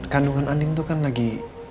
kandungan angin itu kan lagi